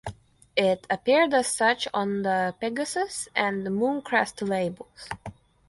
It appeared as such on the Pegasus and Mooncrest labels.